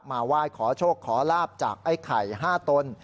มาไหว้ขอโชคขอลาบจากไอ้ไข่๕ตน